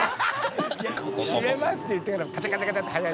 閉めますって言ってからのカチャカチャって早いんだね。